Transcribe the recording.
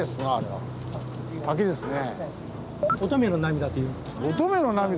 滝ですね。